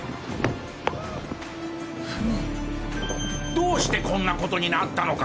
どうしてこんな事になったのか。